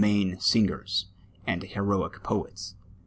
Maine sin<;ers and heroic poets.